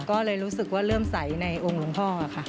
ก็เลยรู้สึกว่าเริ่มใสในองค์หลวงพ่อค่ะ